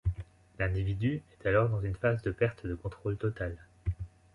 L’individu est alors dans une phase de perte de contrôle totale.